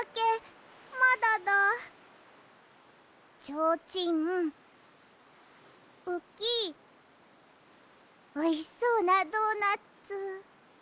ちょうちんうきおいしそうなドーナツ。